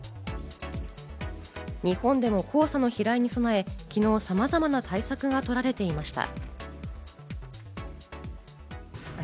日本でも黄砂の飛来に備え、昨日さまざまな対策が取られていました。